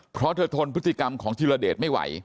เพราะเธอทนพฤติกรรมของธิรเดชไม่ไหว